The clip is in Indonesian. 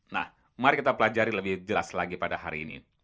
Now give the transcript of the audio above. nah mari kita pelajari lebih jelas lagi pada hari ini